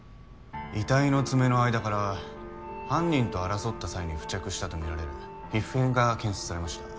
遺体の爪の間から犯人と争った際に付着したとみられる皮膚片が検出されました。